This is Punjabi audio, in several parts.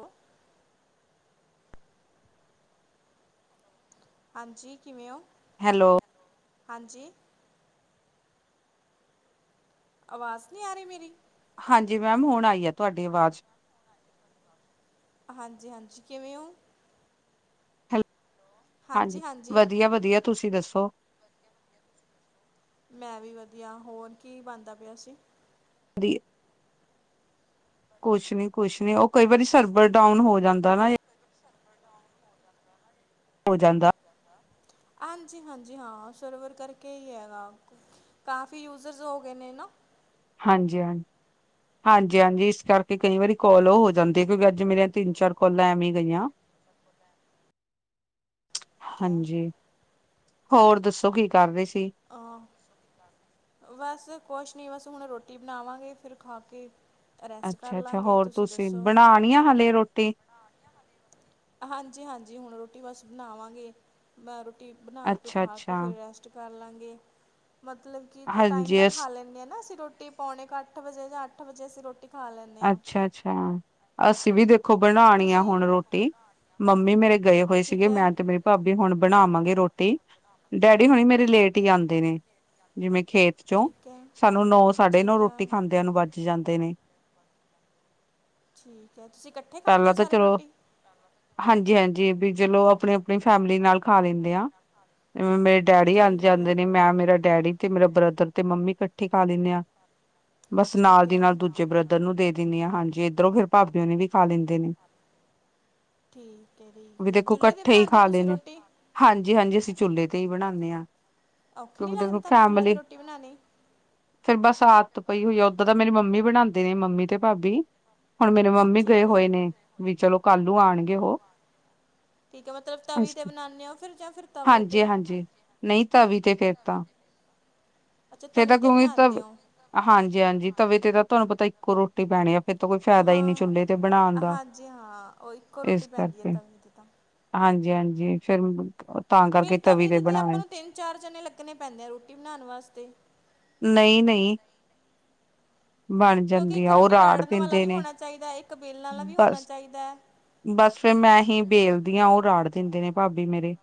ਉਹ ਹਾਂਜੀ ਕਿਵੇਂ ਓਂ? ਹੈਲੋ। ਹਾਂਜੀ। ਆਵਾਜ਼ ਨਹੀਂ ਆ ਰਹੀ, ਮੇਰੀ? ਹਾਂਜੀ। ਮੈਮ ਹੁਣ ਆਈ ਆ, ਤੁਹਾਡੀ ਆਵਾਜ਼। ਹਾਂਜੀ- ਹਾਂਜੀ ਕਿਵੇਂ ਓਂ? ਹਾਂਜੀ, ਵਧੀਆ- ਵਧੀਆ। ਤੁਸੀਂ ਦੱਸੋ? ਸੌ ਮੈਂ ਵੀ ਵਧੀਆ। ਹੋਰ, ਕੀ ਬਣਦਾ ਪਿਆ ਸੀ? ਕੁਛ ਨੀ, ਕੁਛ ਨੀ, ਉਹ ਕਈ ਵਾਰੀ ਸਰਵਰ ਡਾਊਨ ਹੋ ਜਾਂਦਾ ਨਾ। ਹੋ ਜਾਂਦਾ। ਹਾਂਜੀ- ਹਾਂਜੀ ਹਾਂ, ਸਰਵਰ ਕਰਕੇ ਹੀ ਹੈਗਾ ਕਾਫੀ ਯੂਜ਼ਰਸ ਹੋ ਗਏ ਨੇ ਨਾ [inaudible] ਹਾਂਜੀ, ਹਾਂ, ਹਾਂਜੀ- ਹਾਂਜੀ। ਇਸ ਕਰਕੇ ਕਈ ਵਾਰੀ ਕੋਲ ਉਹ ਹੋ ਜਾਂਦੀ, ਕਿਉਂਕਿ ਅੱਜ ਮੇਰੀਆਂ ਤਿੰਨ- ਚਾਰ ਕੌਲਾਂ ਐਵੇਂ ਹੀ ਗਈਆਂ। ਹਾਂਜੀ। ਹੋਰ ਦੱਸੋ, ਕੀ ਕਰ ਰਹੇ ਸੀ? ਆਹ। ਬਸ ਕੁਛ ਨੀ ਬਸ ਹੁਣ ਰੋਟੀ ਰੋਟੀ ਬਣਾਵਾਂਗੇ, ਫਿਰ ਖਾਕੇ ਅੱਛਾ- ਅੱਛਾ। ਹੋਰ, ਤੁਸੀਂ ਬਣਾਣੀ ਆ ਹਾਲੇ ਰੋਟੀ? ਹਾਂਜੀ- ਹਾਂਜੀ। ਹੁਣ ਰੋਟੀ ਬਸ ਬਣਾਵਾਂਗੇ। ਮੈਂ, ਰੋ ਬਣਾਕੇ, ਖਾਕੇ ਫੇਰ ਰੈਸਟ ਕਰ ਲਾਂਗੇ। ਅੱਗੇ ਮਤਲਬ ਕਿ, ਟਾਈਮ ਨਾਲ ਖਾ ਲੈਂਨੇ ਆਂ, ਨਾ ਅਸੀਂ ਰੋਟੀ। ਰੋਟੀ ਪਾਉਣੇ ਕ, ਅੱਠ ਵਜੇ, ਜਾਂ, ਅੱਠ ਵਜੇ ਅਸੀਂ ਰੋਟੀ ਅੱਛਾ- ਅੱਛਾ ਅ ਵੀ ਦੇ ਖੋ ਬਣਾਣੀ ਆ ਹੁਣ ਰੋਟੀ, ਮੰਮੀ ਮੇਰੇ ਗਏ ਹੋਏ ਸੀਗੇ, ਮੈਂ, ਤੇ ਮੇਰੀ ਭਾਬੀ ਹੁਣ ਬਣਾਵਾਂਗੇ। ਰੋਟੀ, ਡੈਡੀ ਹੁਣੀ ਮੇਰੇ ਲੇਟ ਹੀ ਆਉਂਦੇ ਨੇ, ਜਿਵੇਂ ਖੇਤ'ਚੋਂ ਸਾਨੂੰ ਨੌ, ਸਾਢੇ- ਨੌ ਰੋਟੀ ਖਾਂਦੇਆ ਨੂੰ ਵੱਜ ਜਾਂਦੇ ਨੇ। ਠੀਕ ਹੈ, ਤੁਸੀਂ ਇਕੱਠੇ ਖਾਂਦੇ ਹੋ ਸਾਰੇ ਰੋਟੀ? ਵੀ ਚਲੋ, ਆਪਣੀ-ਆਪਣੀ ਫੈਮਲੀ ਨਾਲ ਖਾ ਲੈਂਨੇ ਆਂ। ਡੈਡੀ ਆ ਜਾਂਦੇ ਨੇ, ਮੈਂ, ਮੇਰਾ ਡੈਡੀ ਤੇ, ਮੇਰਾ ਬ੍ਰਦਰ ਤੇ ਮੰਮੀ, ਇਕ ਰੋਟੀ ਖਾ ਲੈਨੇ ਆਂ। ਬਸ ਨਾਲ ਦੀ, ਨਾਲ ਦੂਜੇ ਬ੍ਰਦਰ ਦਿੰਨੀ ਆ, ਹਾਂਜੀ ਇੱਧਰੋਂ ਫਿਰ, ਭਾਬੀ ਹੋਨੀ ਵੀ ਖਾ ਲੈਂਦੇ ਨੇ, ਵੀ ਦੇਖੋ ਇਕੱਠੇ ਹੀ ਖਾਂਦੇ ਨੇ, ਹਾਂਜੀ- ਹਾਂਜੀ ਅਸੀਂ ਚੁੱਲ੍ਹੇ ਤੇ। ਤੇ ਹੀ ਬਣਾਉਂਦੇ ਹਾਂ। ਕਿਉਂਕਿ, ਦੇਖੋ ਫੈਮਲੀ ਫੇਰ ਬਸ ਆਦਤ ਪਈ ਹੋਈ ਆ, ਉਦਾਂ ਤਾਂ ਮੇਰੀ ਮੰਮੀ ਬਣਾਉਂਦੀ। ਬਣਾਂਦੇ ਨੇ, ਮੰਮੀ ਤੇ ਭਾਬੀ। ਹੁਣ ਮੇਰੇ ਮੰਮੀ ਗਏ ਹੋਏ ਨੇ, ਵੀ ਚਲੋ ਕੱਲ ਨੂੰ ਆਉਣਗੇ ਉਹ, ਅੱਛਾ। ਹਾਂਜੀ- ਹਾਂਜੀ ਨਹੀਂ ਤਵੀ ਤੇ, ਫਿਰ ਤਾਂ। ਫੇਰ ਤਾਂ, ਕਿਉਂਕਿ ਤਬ ਹਾਂਜੀ- ਹਾਂਜੀ। ਤਵੇ ਤੇ, ਤਾਂ ਤੁਹਾਨੂੰ ਪਤਾ ਇੱਕੋ ਰੋਟੀ ਪੈਣੀ ਆ? ਫਿਰ ਤੋਂ, ਕੋਈ ਫਾਇਦਾ ਹੀ ਨਹੀਂ ਚੁੱਲ੍ਹੇ ਤੇ, ਬਣਾਉਣ ਦਾ ਇਸ ਕਰਕੇ, ਹਾਂਜੀ- ਹਾਂਜੀ। ਜੀ ਫਿਰ। ਫੇਰ ਤਵੀ ਦੇ, ਤੇ, ਆਪਾਂ ਨੂੰ ਤਿੰਨ- ਚਾਰ ਜਾਣੇ ਲੱਗਣੇ ਪੈਂਦੇ ਆ, ਰੋਟੀ ਬਣਾਉਣ ਵਾਸਤੇ। ਨਹੀਂ- ਨਹੀਂ। ਬਣ ਜਾਂਦੀ ਆ, ਉਹ ਰਾੜ ਦਿੰਦੇ ਨੇ, ਬਸ- ਬਸ ਫਿਰ ਮੈਂ ਹੀ ਵੇਲਦੀ ਹਾਂ ਉਹ ਰਾੜ ਦਿੰਦੇ ਨੇ, ਭਾਬੀ ਮੇਰੇ।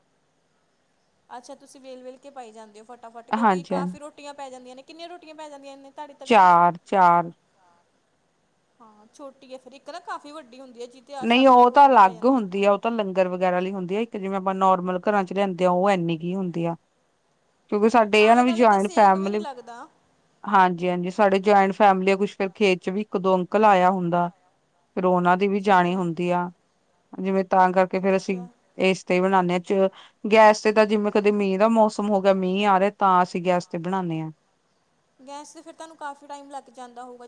ਅੱਛਾ। ਤੁਸੀਂ ਵੇਲ-ਵੇਲ ਕੇ ਪਾਈ ਜਾਂਦੇ ਹੋ, ਫਟਾਫਟ। ਕਿਉਂਕਿ, ਕਾਫ਼ੀ ਰੋਟੀ ਰੋਟੀਆਂ ਪੈ ਜਾਂਦੀਆਂ ਨੇ, ਕਿੰਨੀਆਂ ਰੋਟੀਆਂ ਪੈ ਜਾਂਦੀਆਂ ਨੇ? ਚਾਰ- ਚਾਰ। ਹਾਂ ਛੋਟੀ ਹੈ, ਫੇਰ ਇੱਕ ਨਾ ਕਾਫ਼ੀ ਵੱਡੀ ਨਹੀਂ, ਉਹ ਤਾਂ ਅਲੱਗ ਹੁੰਦੀ ਹੈ, ਉਹ ਤਾਂ, ਲੰਗਰ ਵਗੈਰਾ ਲਈ ਹੁੰਦੀ ਹੈ। ਇੱਕ ਜਿਵੇ ਆਪਾਂ ਨੌਰਮਲ ਘਰਾਂ'ਚ ਲਿਆਂਦੇ ਆ, ਉਹ ਇੰਨੀ ਕੀ ਹੁੰਦੀ ਆ। ਕਿਉਂਕਿ ਸਾਡੇ ਆ, ਨਾ, ਜੌਇੰਟ ਫੈਮਲੀ ਹਾਂਜੀ- ਹਾਂਜੀ। ਸਾਡੇ ਜੁਆਇੰਟ ਫੈਮਲੀ ਕੁਛ ਫਿਰ, ਖੇਤ'ਚ ਵੀ ਇੱਕ- ਦੋ ਅੰਕਲ ਆਇਆ ਹੁੰਦਾ, ਫੇਰ ਉਹਨਾਂ ਦੇ ਜਾਣੀ ਹੁੰਦੀ ਆ, ਜਿਵੇਂ ਤਾਂ, ਕਰਕੇ ਫੇਰ ਅਸੀਂ ਇਸ ਤੇ ਬਣਾਂਨੇ ਆਂ ਚ ਗੈਸ ਤੇ, ਤਾਂ ਜਿਵੇਂ ਕਦੇ ਮੀਂਹ ਦਾ ਮੌਸਮ ਹੋ ਗਿਆ, ਮੀਂਹ ਆ ਰਿਹਾ ਤਾਂ, ਅਸੀਂ ਗੈਸ ਤੇ ਬਣਾਂਨੇ ਆਂ। ਗੈਸ ਤੇ, ਫੇਰ ਤੁਹਾਨੂੰ, ਕਾਫ਼ੀ ਟਾਈਮ ਲੱਗ ਜਾਂਦਾ ਹੋਊਗਾ?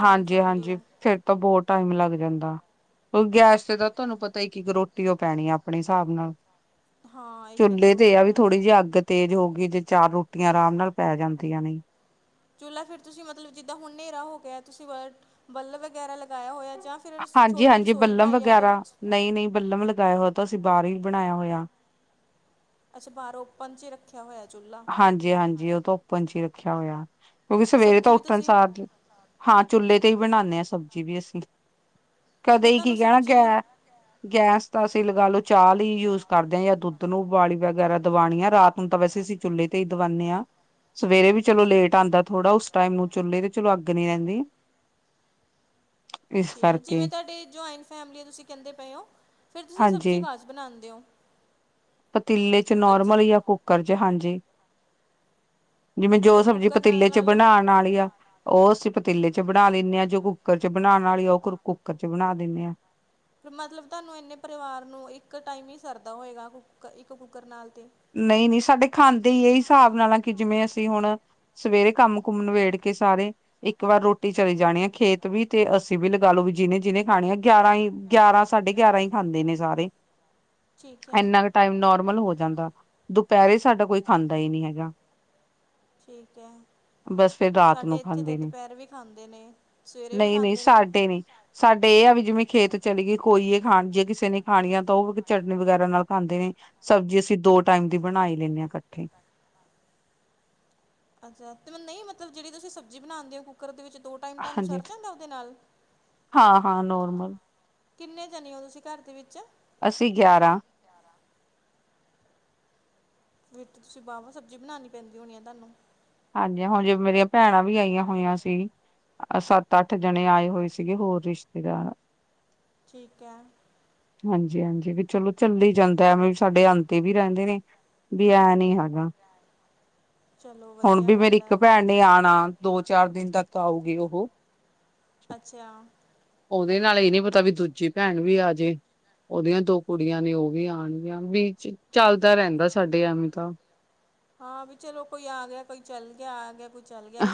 ਹਾਂਜੀ- ਹਾਂਜੀ ਫਿਰ ਤੋਂ ਬਹੁਤ ਟਾਈਮ ਲੱਗ ਜਾਂਦਾ। ਉਹ, ਗੈਸ ਤੇ, ਤਾਂ ਤੁਹਾਨੂੰ ਪਤਾ ਹੀ ਕਿ, ਇੱਕ-ਇੱਕ ਰੋਟੀ ਉਈ ਪੈਣੀ ਹੈ, ਆਪਣੇ ਹਿਸਾਬ ਨਾਲ। ਚੁੱਲੇ ਤੇ, ਆ ਵੀ ਥੋੜ੍ਹੀ ਜਿਹੀ ਅੱਗ ਤੇਜ਼ ਹੋ ਗਈ ਜੇ, ਚਾਰ ਰੋਟੀਆਂ ਆਰਾਮ ਨਾਲ ਪੈ ਜਾਂਦੀਆਂ ਨੇ। ਤੁਸੀਂ, ਬਾਹਰ ਬਲੱਬ ਵਗੈਰਾ ਹਾਂਜੀ- ਹਾਂਜੀ। ਬੱਲਮ ਵਗੈਰਾ ਨਹੀਂ -ਨਹੀਂ ਬੱਲਮ ਲਗਾਏ ਹੋਏ, ਉਹ ਤਾਂ ਅਸੀਂ। ਤੇ, ਬਾਹਰ ਵੀ ਬਣਾਇਆ ਹੋਇਆ। ਅੱਛਾ। ਬਾਰ ਓਪਨ'ਚ ਰੱਖਿਆ ਹੋਇਆ? ਹਾਂਜੀ ਹਾਂਜੀ ਉਹ ਅਓਪਨ ਚ ਹੀ ਰ ਰਖਿਆ ਹੋਇਆ ਕਿਉਂਕਿ ਸਵੇਰੇ ਤੋਂ ਉੱਠਣ ਸਾਰ, ਹਾਂ ਚੁੱਲੇ ਤੇ ਹੀ ਬਣਾਉਦੇ ਹਾਂ ਸਬਜ਼ੀ ਵੀ ਅਸੀਂ ਕਦੇ ਕੀ ਕਹਿਣਾ ਗੈ ਗੈਸ ਤਾਂ ਅਸੀਂ ਲਗਾ ਲਓ ਚਾਹ ਲਈ ਯੂਜ ਕਰਦੇ ਹਾਂ ਜਾਂ ਦੁੱਧ ਨੂੰ ਬਬਾਲੀ ਵਗੈਰਾ ਦਵਾਉਣੀ ਆ ਰਾਤ ਨੂੰ ਤਾਂ ਵੈਸੇ ਅਸੀਂ ਚੁੱਲ੍ਹੇ ਤੇ ਹੀ ਦਵਾਉਾਨਦੇ ਹਾਂ ਸਵੇਰੇ ਵੀ ਚਲੋ ਲੇਟ ਆਉਂਦਾ ਥੋੜਾ ਉਸ ਟਾਈਮ ਨੂੰ ਚੁੱਲੇ ਤੇ ਚਲੋ ਅੱਗ ਨੀ ਰਹਿੰਦੀ ਜਿਵੇਂ ਤੁਹਾਡੇ ਜੁਆਇੰਟ ਫੈਮਲੀ ਤੁਸੀਂ ਕਹਿੰਦੇ ਪਏ ਹੋ ਫਿਰ ਤੁਸੀਂ ਸਬਜ਼ੀ ਘਾਸ ਬਣਾਉਂਦੇ ਹੋ ਪਤੀਲੇ ਚ ਨੋਰਮਲ ਜਾਂ ਕੁੱਕਰ ਚ ਹਾਂਜੀ ਜਿਵੇਂ ਜੋ ਸਬਜ਼ੀ ਪਤੀਲੇ ਚ ਬਣਾਉਣ ਵਾਲੀ ਆ ਉਹ ਅਂ ਪਤੀਲੇ ਚ ਬਣਾ ਦਿੰਦੇ ਹਾਂ ਜੋ ਕੁੂੱਕਰ ਚ ਬਣਾਉਣ ਵਾਲੀ ਉਹ ਕੁੂੱਕਰ ਚ ਬਣਾ ਦਿੰਦੇ ਆਾਂ ਫ ਮਤਲਬ ਤੁਹਾਨੂੰ ਇੰਨੇ ਪਰਿਵਾਰ ਨੂੰ ਇੱਕ ਟਾਈਮ ਹੀ ਸਰਦਾ ਹੋਏਗਾ ਕੁੱਕ ਇੱਕ ਕੁੱਕਰ ਨਾਲ ਨਹੀਂ ਨਹੀਂ ਸਾਡੇ ਖਾਂਦੇ ਹੀ ਇਹਹੀ ਹਿਸਾਬ ਨਾਲ ਆ ਕਿ ਜਿਵੇਂ ਅਸੀਂ ਹੁਣ ਸਵੇਰੇ ਕੰਮ ਕੁੁੰਮ ਨਿਬੇੜ ਕੇ ਸਾਰੇ ਇੱਕ ਵਾਰ ਰੋਟੀ ਚਲੀ ਜਾਣੀ ਆ ਖੇਤ ਵੀ ਤੇ ਅਸੀਂ ਵੀ ਲਗਾ ਲਓ ਵੀ ਜਿਹਨੇ ਜਿਹਨੇ ਖਾਣੇ ਆ ਗਿਆਰਾਂ ਹੀ ਗਿਆਰਾਂ ਸਾਢੇ ਗਿਆਰਾਂ ਹੀ ਖਾਂਦੇ ਨੇ ਸਾਰੇ ਇੰਨਾ ਕੁ ਟਾਈਮ ਨੋਰਮਲ ਹੋ ਜਾਂਦਾ ਦੁਪਹਿਰੇ ਸਾਡਾ ਕੋਈ ਖਾਂਦਾ ਹੀ ਨਹੀਂ ਹੈਗਾ ਬਸ ਫਿਰ ਰਾਤ ਨੂੰ ਖਾਂਦੇ ਨੇ, ਨਹੀਂ ਨਹੀਂ ਸਾਡੇ ਨਹੀਂ ਸਾਡੇ ਇਹ ਆ ਵੀ ਜਿਵੇਂ ਖੇਤ ਚਲੀ ਗਈ ਕੋਈ ਏ ਖਾਣ ਜੇ ਕਿਸੇ ਨੇ ਖਾਣੀ ਆ ਤਾਂ ਉਹ ਚਟਨੀ ਵਗੈਰਾ ਨਾਲ ਖਾਂਦੇ ਨੇ ਸਬਜ਼ੀ ਅਸੀਂ ਦੋ ਟਾਈਮ ਦੀ ਬਣਾਈ ਲੈਂਦੇ ਹ ਇਕੱਠੀ ਅੱਛਾ ਤੇ ਨਹੀਂ ਮਤਲਬ ਜਿਹੜੀ ਤੁਸੀਂ ਸਬਜ਼ੀ ਬਣਾਉਂਦੇ ਹੋ ਕੁੱਕਰ ਦੇ ਵਿੱਚ ਹਾਂਜੀ ਹਾਂ ਹਾਂ ਨੋਰਮਲ ਹਮ ਕਿੰਨੇ ਜਾਣੇ ਹੋ ਤੁਸੀਂ ਘਰ ਦੇ ਵਿੱਚ ਅਸੀਂ ਗਿਆਰਾਂ ਫਿਰ ਤੇ ਤੁਸੀਂ ਵਾਹਵਾਂ ਸਬਜ਼ੀ ਬਣਾਉਣੀ ਪੈਂਦੀ ਹੋਣੀ ਆ ਤੁਹਾਨੂੰ ਹਾਂਜੀ ਹੁਣ ਜੇਵੇ ਮੇਰੀਆਂ ਭੈਣਾਂ ਵੀ ਆਈਆਂ ਹੋਈਆਂ ਸੀ ਸੱਤ ਅੱਠ ਜਣੇ ਆਏ ਹੋਏ ਸੀਗੇ ਹੋਰ ਰਿਸ਼ਤੇਦਾਰ ਠੀਕ ਹੈ ਵੀ ਚਲੋ ਚੱਲ ਜਾਂਦਾ ਐਵੇਂ ਵੀ ਸਾਡੇ ਆਉਂਦੇ ਵੀ ਰਹਿੰਦੇ ਨੇ ਵੀ ਐ ਨੀ ਹੈਗਾ ਹੁਣ ਵੀ ਮੇਰੀ ਇੱਕ ਭੈਣ ਨੇ ਆਣਾ ਦੋ ਚਾਰ ਦਿਨ ਤੱਕ ਆਊਗੀ ਉਹ ਹੋ ਅੱਛਾ ਉਹਦੇ ਨਾਲ ਇਹ ਨੀ ਪਤਾ ਵੀ ਦੂਜੀ ਭੈਣ ਵੀ ਆਜੇ ਉਹਦੀਆਂ ਦੋ ਕੁੜੀਆਂ ਨੇ ਉਹ ਵੀ ਆਉਣਗੀਆਂ ਵੀ ਚੱਲਦਾ ਰਹਿੰਦਾ ਸਾਡੇ ਐਵੇਂ ਤਾਂ ਹਾਂ ਵੀ ਚਲੋ ਕੋਈ ਆ ਗਿਆ ਕੋਈ ਚੱਲ ਗਿਆ ਆ ਗਿਆ ਕੁ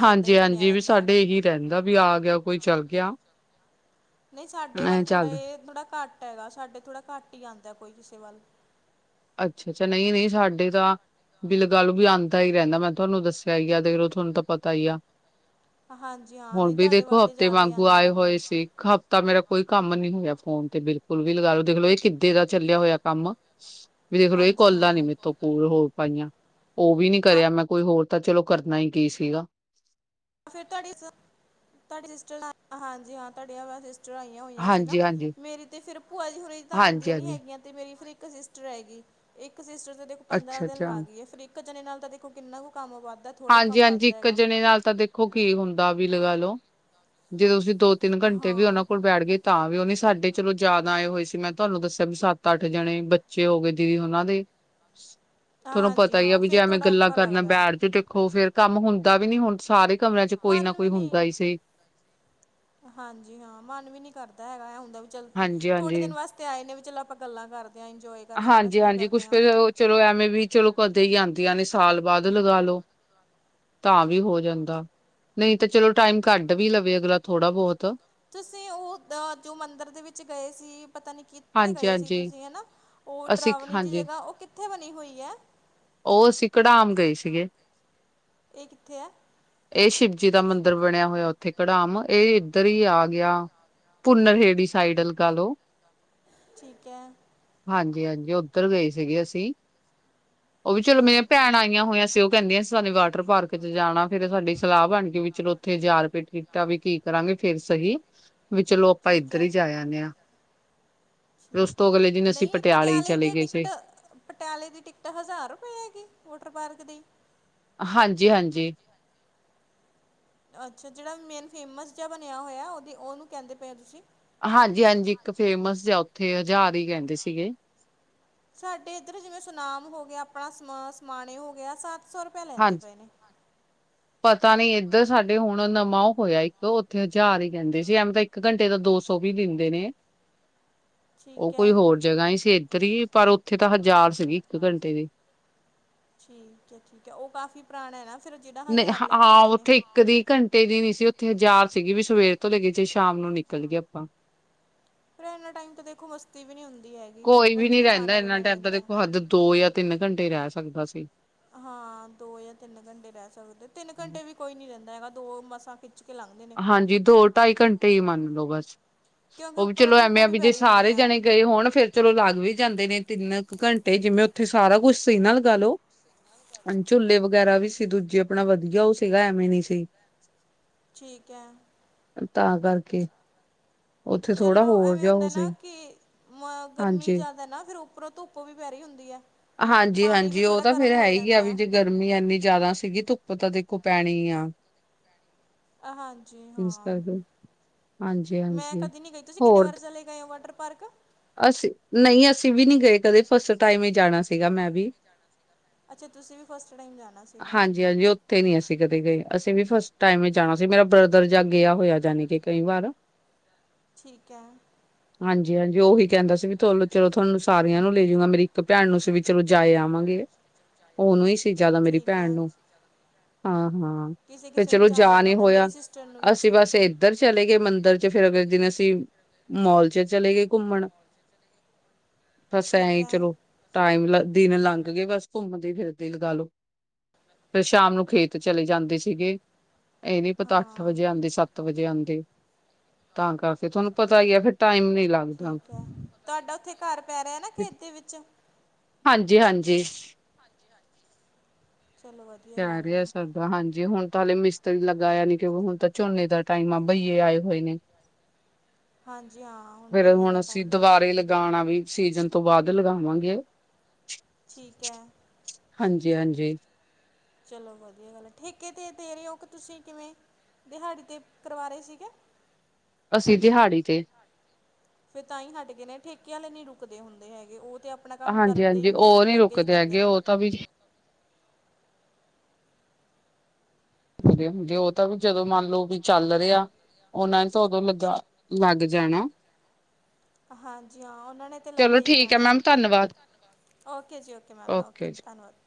ਹਾਂਜੀ ਹਾਂਜੀ ਵੀ ਸਾਡੇ ਇਹੀ ਰਹਿੰਦਾ ਵੀ ਆ ਗਿਆ ਕੋਈ ਚੱਲ ਗਿਆ ਨਹੀਂ ਸਾਡੇ ਵੱਲ ਥੋੜਾ ਇਹ ਥੋੜਾ ਘੱਟ ਹੈਗਾ ਸਾਡੇ ਥੋੜਾ ਘੱਟ ਈ ਆਂਦੈ ਕੋਈ ਕਿਸੇ ਵੱਲ। ਅੱਛਾ, ਅੱਛਾ ਨਈ ਨਈ ਸਾਡੇ ਤਾਂ ਬਿ ਲਗਾਲੋ ਵੀ ਆਂਦਾ ਈ ਰੈਂਦਾ ਮੈਂ ਤੁਆਨੂੰ ਦੱਸੇਆ ਈ ਆ ਦੇਖਲੋ ਥੋਨੂੰ ਤਾਂ ਪਤਾ ਈ ਆ। ਹੁਣ ਵੀ ਦੇਖੋ, ਹਫ਼ਤੇ ਵਾਂਗੂ ਆਏ ਹੋਏ ਸੀ ਹਫ਼ਤਾ ਮੇਰਾ ਕੋਈ ਕੰਮ ਨੀ ਹੋਏਆ ਫੋਨ ਤੇ ਬਿਲਕੁਲ ਵੀ, ਲਗਾ ਲੋ ਦੇਖਲੋ ਏ ਕਿੱਦੇ ਦਾ ਚੱਲੇਆ ਹੋਏਆ ਕੰਮ ਵੀ ਦੇਖਲੋ ਏ ਕੌਲਾਂ ਨੀ ਮੇਥੋ ਤੋਂ ਪੂਰ ਹੋ ਪਾਈਆਂ। ਓ ਵੀ ਨੀ ਕਰੇਆ ਮੈਂ, ਕੋਈ ਹੋਰ ਤਾਂ ਚਲੋ ਕਰਨਾ ਹੀ ਕੀ ਸੀਗਾ। ਫਿਰ ਤੁਆੜੀ ਸ ਤੁਆੜੀ, ਸੀਸਟ ਹਾਂਜੀ ਹਾਂ ਤੁਹਾਡੀਆਂ ਵੈ ਚੜਾਈਆਂ ਹੋਈਆਂ ਸੀ ਨਾ, ਮੇਰੀ ਤੇ ਫਿਰ ਭੂਆ ਜੀ ਹੋਣੀ ਤਾਂ ਆਂਦੀਆਂ ਨੀ ਹੈਗੀਆਂ ਤੇ ਮੇਰੀ ਫਿਰ ਇੱਕ ਸਿਸਟਰ ਹੈਗੀ ਇੱਕ ਇੱਕ ਸਿਸਟਰ ਤੇ ਦੇਖੋ ਪੰਦਰਾਂ ਦਿਨ ਲਾਗੀ ਏ। ਫਿਰ ਇੱਕ ਜਨੇ ਨਾਲ ਤਾਂ ਦੇਖੋ ਕਿੰਨਾ ਕੁ ਕੰਮ ਵ ਹਾਂਜੀ, ਹਾਂਜੀ ਇੱਕ ਜਣੇ ਨਾਲ ਤਾਂ ਦੇਖੋ [inaudible] ਕੀ ਹੁੰਦਾ ਵੀ ਲਗਾਾਲੋ ਜੇੋ ਤੁਸੀਂ ਦੋ ਤਿੰਨ ਘੰਟੇ ਵੀ ਓਨਾਂ ਕੋਲ ਬੈਠ ਗੇ ਤਾਂ ਵੀ ਓਨੀ ਸਾਡੇ ਚਲੋ ਜੇਆਦਾ ਆਏ ਹੋਏ ਸੀ, ਮੈਂ ਤੁਹਾਨੂੰ ਦੱਸੇਆ ਵੀ ਸੱਤ, ਅੱਠ ਜਣੇ ਬੱਚੇ ਹੋ ਗਏ ਦੀਦੀ ਹੋਨਾਂ ਦੇ ਥੋਨੂੰ ਪਤਾ ਈ ਆ, ਵੀ ਜੇ ਐਵੇਂ ਗੱਲਾਂ ਕਰਨ ਬੈਠ ਜੋ ਤ ਫੇਰ ਕੰਮ ਹੁੰਦਾ ਵੀ ਨੀ ਹੁਣ ਸਾਰੇ ਮਨ ਵੀ ਨੀ, ਹਾਂਜੀ ਹਾਂ ਮਨ ਵੀ ਨੀ ਕਰਦਾ ਹੈਗਾ ਐ ਹੁੰਦਾ ਵੀ ਚੱਲ ਥੋੜੇ ਦਿਨ ਵਾਸਤੇ ਆ ਇਨੇ ਵੀ ਚਲ ਆਪਾਂ ਗੱਲਾਂ ਕਰਦੇ ਹਾਂਜੀ, ਹਾਂਜੀ ਕੁਛ ਚਲੋ ਐਵੇਂ ਵੀ ਚਲੋ ਕਦੇ ਈ ਆਂਦੇ [inaudible] ਸਾਲ ਬਾਦ ਲਗਾ ਲੋ- ਤਾਂ ਵੀ ਹੋ ਜਾਂਦਾ, ਨਈ ਤਾਂ ਚਲੋ ਟਾਈਮ ਕੱਡ ਵੀ ਲਵੇ ਅਗਲਾ ਥੋੜਾ ਬੋਤ। ਤੁਸੀਂ ਓਹ ਜੋ ਮੰਦਿਰ ਦੇ ਵਿੱਚ ਗਏ ਸੀ ਹਾਂਜੀ, ਹਾਂਜੀ [unintelligible] ਅਸੀ ਹਾਂਜੀ- ਓ ਅਸੀ ਕਢਾਮ ਗਏ ਸੀਗੇ ਏ ਸ਼ਿਵਜੀ ਦਾ ਮੰਦਰ ਬਣੇਆ ਹੋਏਆ ਓਥੇ। ਓਥੇ ਕਢਾਮ ਏ ਏਦਰ ਈ ਆ ਗੇਆ ਭੁੰਨਰਹੇੇੜੀ ਸਾਈੜ ਲਗਾ ਲੋ ਠੀਕ ਐ। ਹਾਂਜੀ, ਹਾਂਜੀ ਓਦਰ ਗਏ ਸੀਗੇ ਅਸੀ ਓ ਵੀ ਚਲੋ ਮੇਰੀਆਂ ਭੈਣਾ ਆਈਆਂ ਹੋਈਆਂ ਸੀ, ਓ ਕੈਂਦੀਆਂ ਸੀ ਸਾਨ ਵਾਟਰ ਪਾਰਕ ਕਿਤੇ ਜਾਣਾ ਫੇਰ ਸਾਡੀ ਸਲਾਅ ਬਣ ਗੀ ਵੀ ਚਲੋ ਓਥੇ ਹਜਾਰ ਪੇ ਟਿਕਟ ਆ, ਵੀ ਕੀ ਕਰਾਂਗੇ ਫੇਰ ਸਹੀ ਵੀ ਚਲੋ ਪਾਂ ਏਦਰ ਈ ਜਾ ਆਂਨੇ ਆ। ਠੀਕ ਐ। ਨਈ ਏ ਪਟੇਆਲੇ ਦੀ ਟਿਕਟ, ਪਟੇਆਲੇ ਦੀ ਟਿਕਟ ਹਜ਼ਾਰ ਰਪੇ ਹੈਗੀ ਵੋਟਰ ਪਾਰਕ ਦੀ? ਹਾਂਜੀ, ਹਾਂਜੀ। ਅੱਛਾ, ਜੇੜਾ ਮੇਨ ਫੇਮਸ ਜੇਆ ਬਨੇਆ ਹੋਏਆ ਓਦੀ ਓਨੂੰ ਕੈਂਦੇ ਪਏ ਆਂ ਤੁਸੀਂ? ਹਾਂਜੀ, ਹਾਂਜੀ ਇੱਕ ਫੇਮਸ ਜਾ ਓਥੇ ਹਜਾਰ ਈ ਕੈਂਦੇ ਸੀਗੇ। ਸਾਡੇ ਏਦਰਰ ਜਿਵੇਂ ਸੁਨਾਮ ਹੋ ਗੇਆ, ਆਪਣਾ ਸਮਾ ਸਮਾਣੇ ਹੋ ਗੇਆ ਸਾ ਹਾਂਜੀ, ਪਤਾ ਨੀ ਇੱਧਰ ਸਾਡੇ ਹੁਣ ਨਵਾਂ ਉਹ ਹੋਇਆ ਉਹ ਉੱਥੇ ਹਜ਼ਾਰ ਹੀ ਕਹਿੰਦੇ ਸੀ, ਐਵੇ ਤਾਂ ਇੱਕ ਘੰਟੇ ਦਾ ਦੋ ਸੌ ਵੀ ਦਿੰਦੇ ਨੇ। ਉਹ ਕੋਈ ਹੋਰ ਜਗ੍ਹਾ ਹੀ ਸੀ ਏ ਉੱਤਰੀ ਪਰ ਉੱਥੇ ਤਾਂ ਹਜ਼ਾਰ ਸੀਗੀ ਇੱਕ ਘੰਟੇ ਦੀ। ਠੀਕ ਹੈ, ਠੀਕ ਹੈ, ਉਹ ਕਾਫੀ ਪੁਰਾਣਾ ਐ ਨਾ। ਨ ਹਾਂ ਉੱਥੇ ਇੱਕ ਦੀ ਘੰਟੇ ਦੇ ਨੇ ਸੀ, ਉੱਥੇ ਹਜ਼ਾਰ ਸੀਗੀ ਵੀ ਸਵੇਰ ਤੋਂ ਲੈਗੇ ਜੇ ਸ਼ਾਮ ਨੂੰ ਨਿਕਲ ਗਏ ਆਪਾਂ। ਫ਼ਿਰ ਇਨਾ ਟਾਈਮ ਤਾਂ ਦੇਖੋ ਮਸਤੀ ਵੀ ਨੀ ਹੁੰਦੀ ਹੈਗੀ, ਬੰਦੇ ਨੇ ਖਾਣਾ ਪੀਣਾ ਵੀ ਹੁੰਦਾ। ਸਕਦਾ ਸੀ। ਹਾਂ ਦੋ ਜਾਂ ਤਿੰਨ ਘੰਟੇ ਰਹਿ ਸਕਦੇ। ਮ, ਤਿੰਨ ਘੰਟੇ ਵੀ ਕੋਈ ਨਹੀਂ ਰਹਿੰਦਾ ਹੈਗਾ ਦੋ ਮਸਾਂ ਹਾਂਜੀ, ਦੋ ਢਾਈ ਘੰਟੇ ਹੀ ਮੰਨ ਲੋ ਬਸ, ਉਹ ਵੀ ਚਲੋ ਐਵੇਂ ਆ ਵੀ ਜੇ ਸਾਰੇ ਜਾਣੇ ਗਏ ਹੋਣ ਫੇਰ ਚਲੋ ਲੱਗ ਵੀ ਜਾਂਦੇ ਨੇ ਤਿੰਨ ਕੁ ਘੰਟੇ ਜਿਵੇਂ ਉੱਥੇ ਸਾਰਾ ਕੁਛ ਸੀਗਾ ਲਗਾ ਲਓ ਆ, ਝੂਲੇ ਵਗੈਰਾ ਵੀ ਸੀ ਦੂਜੇ ਆਪਣਾ ਵਧੀਆ ਉਹ ਸੀਗਾ ਐਵੇਂ ਨੀ ਸੀ। ਠੀਕ ਐ। ਤਾਂ ਕਰਕੇ। ਚਲੋ ਐਵੇਂ ਹੁੰਦਾ ਨਾ ਕਿ ਗਰਮੀ ਜ਼ਿਆਦਾ ਨਾ ਫਿਰ ਉੱਪਰੋਂ ਧੁੱਪ ਵੀ ਪੈ ਰਹੀ ਹੁੰਦੀ ਐ, ਪਾਣੀ ਵੀ ਥੋੜਾ ਗਰਮ ਹੋ ਜਾਂਦਾ ਐ। ਪਤਾ ਦੇਖੋ ਪੈਣੀ ਆ ਹਾਂਜੀ, ਹਾਂ, ਮੈਂ ਕਦੀ ਨੀ ਗਈ, ਤੁਸੀਂ ਕਿੰਨੇ ਵਾਰ ਚਲੇ ਗਏ ਹੋ ਵਾਟਰ ਪਾਰਕ? ਅਸੀਂ ਵੀ ਨੀ ਗਏ ਕਦੇ ਫਸਟ ਟਾਈਮ ਹੀ ਜਾਣਾ ਸੀਗਾ ਮੈਂ ਵੀ। ਅੱਛਾ, ਤੁਸੀਂ ਵੀ ਫਸਟ ਟਾਈਮ ਜਾਣਾ ਸੀਗਾ, ਹਾਂ ਅਸੀਂ ਨੀ ਕਦੇ ਗਏ, ਅਸੀਂ ਵੀ ਫਸਟ ਟਾਈਮ ਹੀ ਜਾਣਾ ਤੇ ਮੇਰਾ ਬ੍ਰਦਰ ਜਾ ਗਿਆ ਹੋਇਆ ਜਾਣੀ ਕਿ ਕਈ ਵਾਰ। ਠੀਕ ਐ। ਹਾਂਜੀ-ਹਾਂਜੀ ਉਹੀ ਕਹਿੰਦਾ ਸੀ ਵੀ ਚਲੋ, ਚਲੋ ਤੁਹਾਨੂੰ ਸਾਰੀਆਂ ਨੂੰ ਲੈਜੂਗਾ, ਮੇਰੀ ਇੱਕ ਭੈਣ ਨੂੰ ਸੀ ਵੀ ਚਲੋ ਜਾਏ ਆਵਾਂਗੇ, ਉਹਨੂੰ ਸੀ ਜਿਆਦਾ ਮੇਰੀ ਭੈਣ ਨੂੰ ਹਾਂ, ਹਾਂ ਫ਼ਿਰ ਚਲੋ ਜਾ ਨੀ ਹੋਇਆ ਅਸੀਂ ਬਸ ਇੱਧਰ ਚਲੇ ਗਏ ਮੰਦਿਰ 'ਚ ਫਿਰ, ਅਗਲੇ ਦਿਨ ਅਸੀਂ ਮੌਲ 'ਚ ਚਲੇ ਗਏ ਘੁੰਮਣ। ਬਸ ਐ ਹੀ ਚਲੋ ਟਾਈਮ ਲੱ ਦਿਨ ਲੰਘ ਗਏ, ਬਸ ਘੁੰਮਦੇ ਫਿਰਦੇ ਲਗਾ ਲੋ ਫਿਰ ਸ਼ਾਮ ਨੂੰ ਖੇਤ ਚਲੇ ਜਾਂਦੇ ਸੀਗੇ। ਇਹ ਨੀ ਪਤਾ ਅੱਠ ਵਜੇ ਆਂਦੇ, ਸੱਤ ਵਜੇ ਆਂਦੇ ਤਾਂ ਕਰਕੇ ਤੁਹਾਨੂੰ ਪਤਾ ਹੀ ਆ ਫ਼ਿਰ ਟਾਈਮ ਨੀ ਠੀਕ ਹੈ, ਤੁਹਾਡਾ ਉੱਥੇ [inaudible] ਪੈ ਰਿਹਾ ਨਾ ਖੇਤ ਦੇ ਵਿੱਚ? ਹਾਂਜੀ-ਹਾਂਜੀ। ਕਹ ਰਿਹਾ ਸਾਦਾ ਹਾਂਜੀ ਹੁਣ ਹਾਲੇ ਮਿਸਤਰੀ ਲੱਗਾ ਆ ਨੀ ਕਿ ਹੁਣ ਤਾਂ ਝੋਨੇ ਦਾ ਟਾਈਮ ਆ ਬਈਏ ਆਏ ਹੋਏ ਨੇ। ਫੇਰ ਹੁਣ ਅਸੀਂ ਦੁਵਾਰੇ ਲਗਾਉਣਾ ਵੀ ਸੀਜਨ ਤੋਂ ਬਾਅਦ ਲਗਾਵਾਂਗੇ। ਹਾਂਜੀ-ਹਾਂਜੀ। ਚਲੋ ਵਧੀਆ ਗੱਲ, ਠੇਕੇ ਤੇ ਦੇ ਰਹੇ ਹੋ ਕਿ ਤੁਸੀਂ ਕਿਵੇਂ ਦਿਹਾੜੀ ਤੇ ਕਰਵਾ ਰਹੇ ਸੀਗੇ। ਅਸੀਂ ਦਿਹਾੜੀ ਤੇ। ਫੇਰ ਤਾਂ ਹੀ ਹਟ ਗਏ ਨੇ, ਠੇਕੇ ਵਾਲੇ ਨੀ ਰੁਕਦੇ ਹੁੰਦੇ ਹੈਗੇ ਉਹ ਤੇ ਆਪਣਾ ਕੰਮ ਕਰਦੇ ਹੀ ਨੇ ਲੱਗੇ ਹੀ ਰਹਿੰਦੇ ਨੇ। [unintelligible] ਉਹ ਤਾਂ ਵੀ ਜਦੋਂ ਮੰਨ ਲਓ ਵੀ ਚੱਲ ਰਿਹਾ, ਉਹਨਾ ਨੇ ਤਾਂ ਉਦੋਂ ਲੱਗਾ ਲੱਗ ਜਾਣਾ। ਹਾਂਜੀ, ਹਾਂ ਉਹ ਨੇ ਤੇ ਲੱਗੇ ਹੀ ਰਹਿਣੇ ਆ, ਓਕੇ ਜੀ ਓਕੇ ਮੈਮ ਓਕੇ ਧੰਨਵਾਦ।